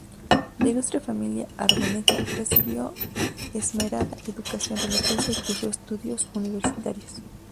De ilustre familia aragonesa, recibió esmerada educación religiosa y cursó estudios universitarios.